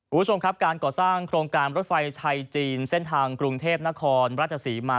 คุณผู้ชมครับการก่อสร้างโครงการรถไฟไทยจีนเส้นทางกรุงเทพนครราชศรีมา